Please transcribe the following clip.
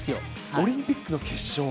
オリンピックの決勝。